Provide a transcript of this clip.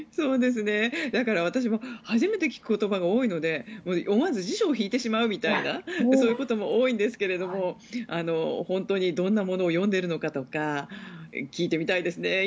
だから私も初めて聞く言葉が多いので思わず辞書を引いてしまうみたいなそういうことも多いんですが本当にどんなものを読んでいるのかとか聞いてみたいですね。